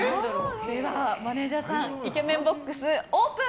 ではマネジャーさんイケメンボックス、オープン！